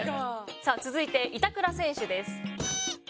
さあ続いて板倉選手です。